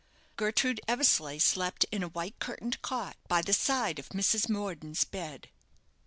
Gertrude Eversleigh slept in a white curtained cot, by the side of Mrs. Morden's bed.